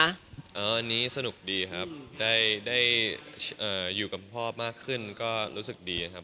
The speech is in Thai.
อันนี้สนุกดีครับได้อยู่กับพ่อมากขึ้นก็รู้สึกดีครับ